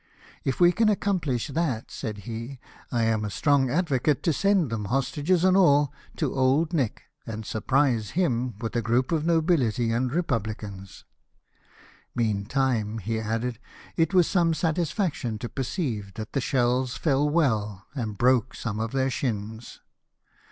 " If we can accomplish that," said he, " I am a strong advocate to send them, hostages and all, to Old Nick, and surprise him with a group of nobility and republicans. Meantime," he added, " it was some satisfaction to perceive that the shells fell well and broke some of their shins."